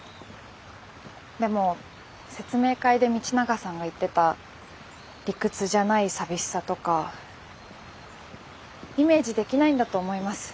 でも説明会で道永さんが言ってた理屈じゃない寂しさとかイメージできないんだと思います。